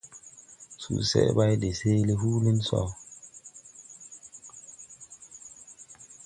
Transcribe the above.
Suseʼ bày de seele huulin so.